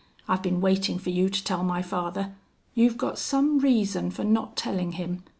I've been waiting for you to tell my father. You've got some reason for not telling him.